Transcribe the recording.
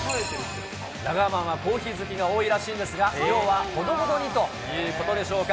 ラガーマンはコーヒー好きが多いらしいんですが、量はほどほどにということでしょうか。